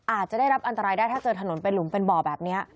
อาจจะได้รับอันตรายได้ถ้าเจอถนนเป็นหลุมเป็นบ่อแบบนี้